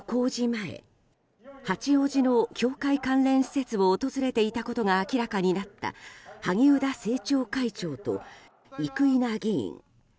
前、八王子の教会関連施設を訪れていたことが明らかになった萩生田政調会長と生稲議員。